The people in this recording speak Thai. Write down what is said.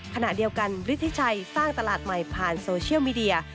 ขณะเดียวกันฤทธิชัยสร้างตลาดใหม่ผ่านโซเชียลมีเดีย